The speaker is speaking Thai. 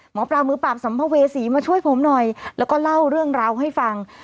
หมอปลามือปราบสัมภเวษีมาช่วยผมหน่อยแล้วก็เล่าเรื่องราวให้ฟัง